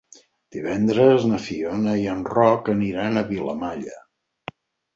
Divendres na Fiona i en Roc aniran a Vilamalla.